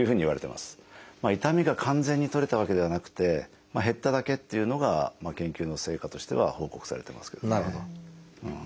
痛みが完全に取れたわけではなくて減っただけっていうのが研究の成果としては報告されていますけどね。